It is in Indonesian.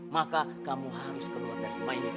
maka kamu harus keluar dari rumah ini